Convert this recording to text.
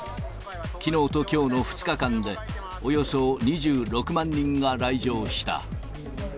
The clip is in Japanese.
きのうときょうの２日間で、およそ２６万人が来場した。